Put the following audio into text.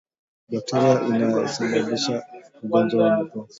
Bakteria anayesababisha ugonjwa wa mapafu